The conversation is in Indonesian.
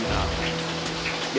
tidak ada yang bisa